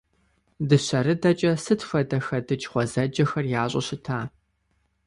Дыщэрыдэкӏэ сыт хуэдэ хэдыкӏ гъуэзэджэхэр ящӏу щыта!